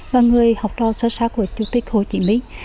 và người học đo sơ sát của chủ tịch hồ chí minh